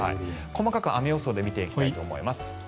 細かく雨予想で見ていきたいと思います。